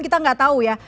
kita nggak tahu ya